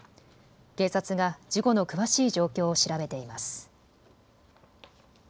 警察が事故の詳しい状況を調べています。